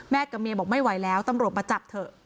กับเมียบอกไม่ไหวแล้วตำรวจมาจับเถอะ